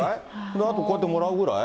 あとこうやってもらうぐらい？